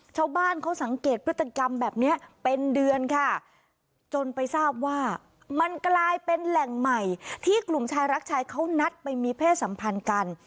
ชาวบ้านเขาสังเกตพฤติกรรมแบบนี้เป็นเดือนค่ะจนไปทราบว่ามันกลายเป็นแหล่งใหม่ที่กลุ่มชายรักชายเขานัดไปมีเพศสัมพันธ์กัน